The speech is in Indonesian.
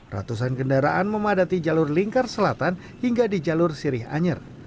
ratusan kendaraan memadati jalur lingkar selatan hingga di jalur sirih anyer